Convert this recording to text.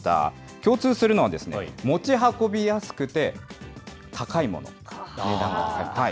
共通するのは、持ち運びやすくて、高いもの、値段が高いもの。